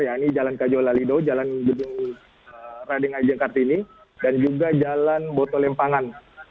yaitu jalan kajau lalido jalan gedung rading ajeng kartini dan juga jalan boto lempangan